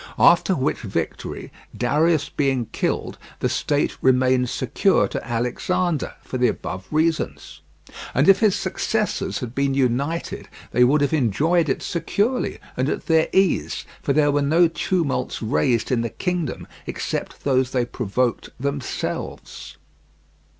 After which victory, Darius being killed, the state remained secure to Alexander, for the above reasons. And if his successors had been united they would have enjoyed it securely and at their ease, for there were no tumults raised in the kingdom except those they provoked themselves.